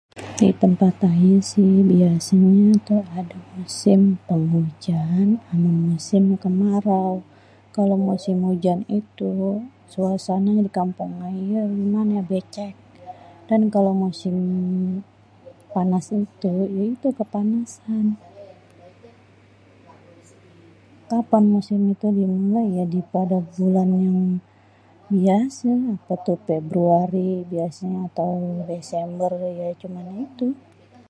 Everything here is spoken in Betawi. di tempat ayê sih biasanya tu ada musim hujan ama musim kemarau.. kalo musim ujan itu suasana di kampung ayê bêcêk.. dan kalo musim panas èntu ya itu kepanasan.. kapan musim itu di mulai ya pada bulan yang biasê waktu februari biasanyê atau desember cuman ya itu..